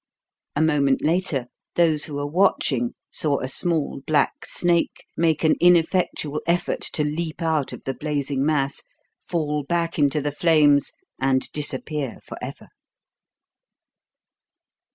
A moment later those who were watching saw a small black snake make an ineffectual effort to leap out of the blazing mass, fall back into the flames and disappear for ever.